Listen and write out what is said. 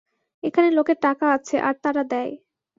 এখানে লোকের টাকা আছে, আর তারা দেয়।